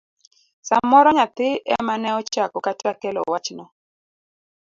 samoro nyathi emane ochako kata kelo wachno.